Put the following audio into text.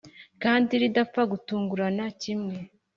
kandi ridapfa gutungurana kimwe